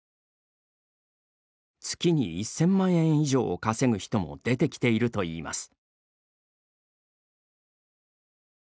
月に１０００万円以上を稼ぐ人も出てきているといいます。